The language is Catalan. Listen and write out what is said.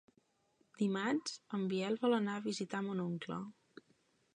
Dimarts en Biel vol anar a visitar mon oncle.